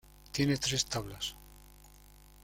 Tiene tres tablas.